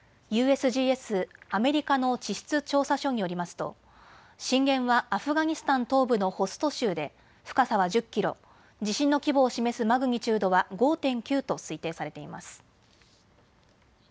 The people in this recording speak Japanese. ・アメリカの地質調査所によりますと震源はアフガニスタン東部のホスト州で深さは１０キロ、地震の規模を示すマグニチュードは５．９と推定されています。